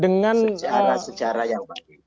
dengan melihat sejarah sejarah yang baik